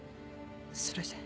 それで。